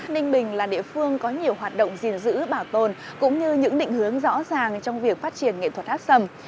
ninh bình là địa phương có nhiều hoạt động gìn giữ bảo tồn cũng như những định hướng rõ ràng trong việc phát triển nghệ thuật hát sầm